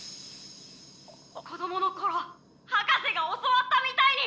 「子供の頃博士が教わったみたいに！」。